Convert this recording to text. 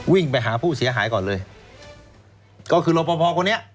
วิ่งไปหาผู้เสียหายก่อนเลยก็คือรอปภคนนี้